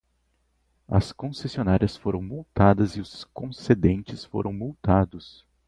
As concessionárias foram multadas e os concedentes foram multados